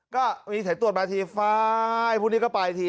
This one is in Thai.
ก็มีสายตรวจมาทีฟ้ายพวกนี้ก็ไปที